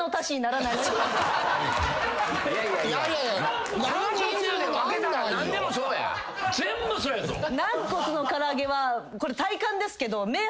なんこつの唐揚げはこれ体感ですけど。